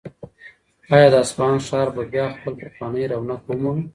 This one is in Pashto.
آیا د اصفهان ښار به بیا خپل پخوانی رونق ومومي؟